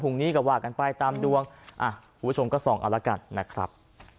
งนี้ก็ว่ากันไปตามดวงอ่ะคุณผู้ชมก็ส่องเอาละกันนะครับ